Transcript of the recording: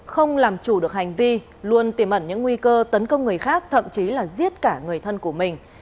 không làm chủ được hành vi luôn tiềm ẩn những nguy cơ tấn công người khác thậm chí là giết cả người thân của mình